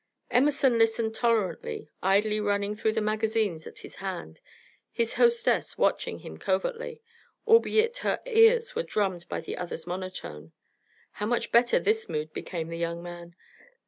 Emerson listened tolerantly, idly running through the magazines at his hand, his hostess watching him covertly, albeit her ears were drummed by the other's monotone. How much better this mood became the young man!